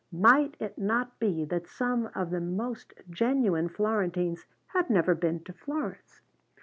Might it not be that some of the most genuine Florentines had never been to Florence?